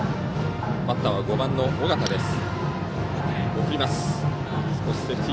バッターは５番の尾形です。